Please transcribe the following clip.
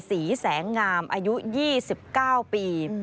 ศรีแสงงามอายุ๒๙ปี